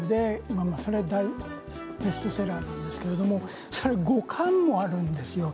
それは大ベストセラーなんですけれどそれは５巻もあるんですよ